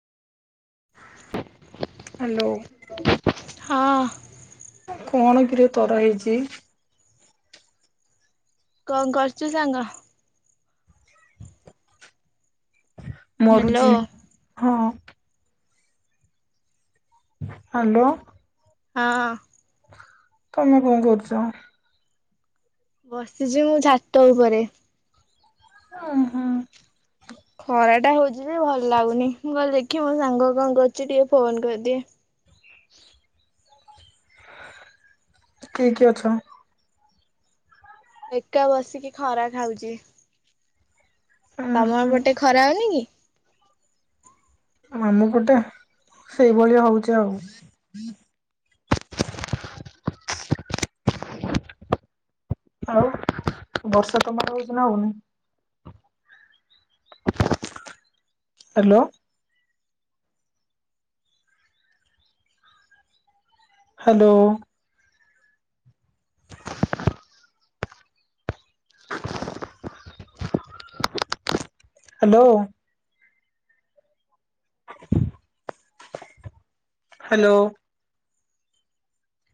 Hello. ହଁ। କଣ କିରେ ତୋର ହେଇଚି? କଣ କରଚୁ ସାଙ୍ଗ? ହ୍ୟାଲୋ। ମରୁଚି ହଁ। ହାଲୋ। ହଁ। ତମେ କଣ କରୁଚ? ବସିଛି ମୁଁ ଛାତ ଉପରେ। ଓ ହଁ। ଖରାଟା ହୋଉଚି ଯେ ଭଲ ଲାଗୁନି ମୁଁ କହଲି ଦେଖିଆ ମୋ ସାଙ୍ଗ କଣ କରୁଚି ଟିକେ ଫୋନ କରିଦିଏ। କିଏ କିଏ ଅଛ? ଏକା ବସିକି ଖରା ଖାଉଚି। ଉଁ ତମ ହୁଁ ଏପଟେ ଖରା ହୋଉନି କି? ଆମ ପଟେ ସେଇଭଳିଆ ହୋଉଚି ଆଉ। ଆଉ ବର୍ଷା ତମର ହୋଉଚି ନା ହୋଉନି ହାଲୋ। ହାଲୋ। ହାଲୋ। ହାଲୋ।